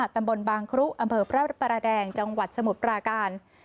ตำบลบางครุอำเภอพระประแดงจังหวัดสมุทรปราการ